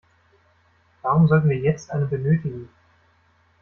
Warum sollten wir jetzt eine benötigen?